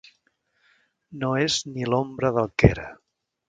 No és ni l'ombra del que era.